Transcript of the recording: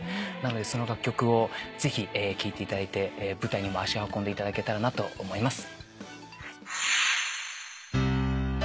その楽曲をぜひ聴いていただいて舞台にも足を運んでいただけたらと思います。